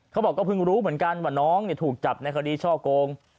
เขาบอกก็เพิ่งรู้เหมือนกันว่าน้องถูกจับในคดีช่อโกง